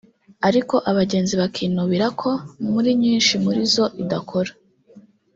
ariko abagenzi bakinubira ko muri nyinshi muri zo idakora